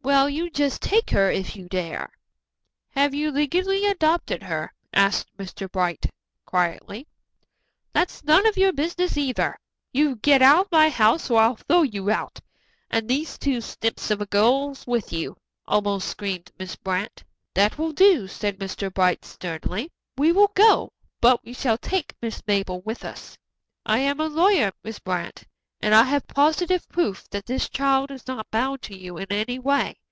"Well, you just take her, if you dare." "Have you legally adopted her?" asked Mr. Bright quietly. "That's none of your business, either. You get out of my house or I'll throw you out and these two snips of girls with you," almost screamed Miss Brant. "That will do," said Mr. Bright sternly. "We will go, but we shall take Miss Mabel with us. I am a lawyer, Miss Brant, and I have positive proof that this child is not bound to you in any way.